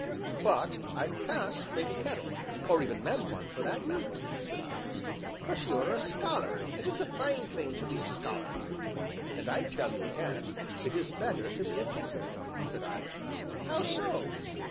"But I can't make a kettle, or even mend one, for that matter," said I. "But you are a scholar, and it's a fine thing to be a scholar!" "And I tell you again, it is better to be a tinker," said I. "How so?"